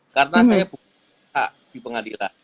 karena saya bukan di pengadilan